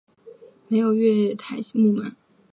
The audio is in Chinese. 设有月台幕门。